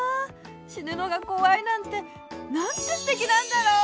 しぬのがこわいなんてなんてすてきなんだろう！